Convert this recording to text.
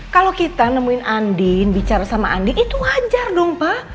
kalau kita nemuin andin bicara sama andi itu wajar dong pak